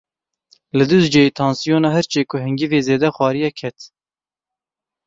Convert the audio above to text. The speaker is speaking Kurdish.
Li Duzceyê tansiyona hirçê ku hingivê zêde xwariye ket.